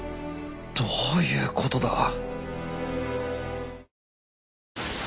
どういうことだ？